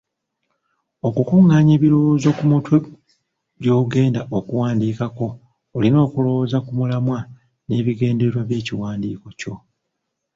Okukuŋŋaanya ebirowoozo ku mutwe gy’ogenda okuwandiikako, olina okulowooza ku mulamwa n’ebigendererwa by’ekiwandiiko kyo.